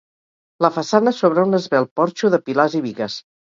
La façana sobre un esvelt porxo de pilars i bigues.